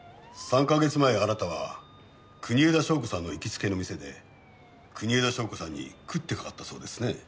３カ月前あなたは国枝祥子さんの行きつけの店で国枝祥子さんに食ってかかったそうですね。